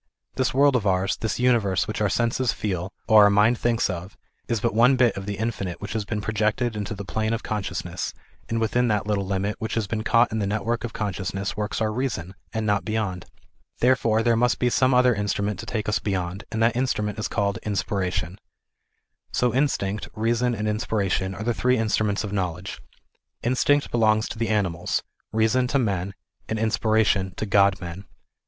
This world of ours, this universe which our senses feel, or our mind thinks of, is but one bit of the infinite which has been projected into the plane of conciousness, and within that little limit which has been caught in the network of consciousness works our reason, and not beyond. Therefore there must be some other instrument to take us beyond, and that instrument THE IDEAL OF A UNIVERSAL RELIGION. 319 is called inspiration. So instinct, reason and inspiration are the* three instruments of knowledge. Instinct belongs to the animals, reason to men, and inspiration to God men.